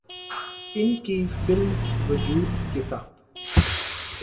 ان کی فلم ’وجود‘ کے ساتھ